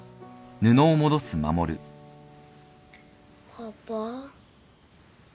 パパ？